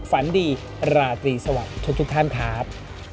ฝันดีราตรีสวัสดีทุกท่านครับ